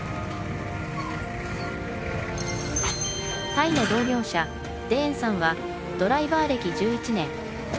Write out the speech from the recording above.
タイの同業者デーンさんはドライバー歴１１年。